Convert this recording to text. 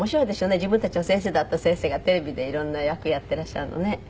自分たちの先生だった先生がテレビで色んな役やってらっしゃるのね